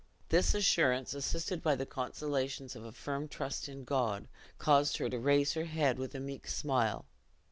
This assurance, assisted by the consolations of a firm trust in God, caused her to raise her head with a meek smile.